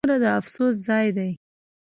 ځومره د افسوس ځاي دي